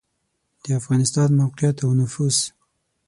د افغانستان موقعیت او نفوس